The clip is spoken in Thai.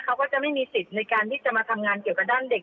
เขาก็จะไม่มีสิทธิ์ในการที่จะมาทำงานเกี่ยวกับด้านเด็ก